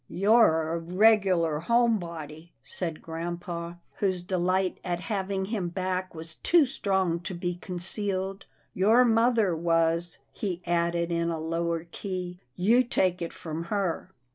" You're a regular home body," said grampa, whose delight at having him back was too strong to be concealed. " Your mother was," he added in a lower key. " You take it from her."